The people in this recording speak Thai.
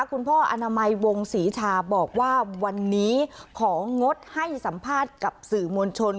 คุณพ่ออนามัยวงศรีชาบอกว่าวันนี้ของงดให้สัมภาษณ์กับสื่อมวลชน